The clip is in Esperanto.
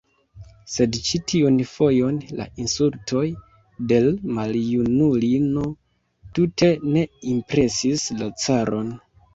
Sed ĉi tiun fojon la insultoj de l' maljunulino tute ne impresis la caron.